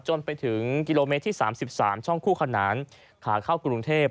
จนถึงกิโลเมตรที่๓๓ช่องคู่ขนานขาเข้ากรุงเทพ